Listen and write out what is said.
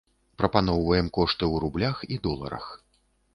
Параўноўваем кошты ў рублях і доларах.